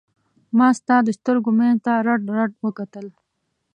ما ستا د سترګو منځ ته رډ رډ وکتل.